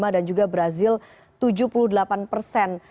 lima dan juga brazil tujuh puluh delapan persen